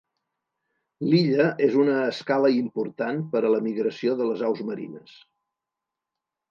L'illa és una escala important per a la migració de les aus marines.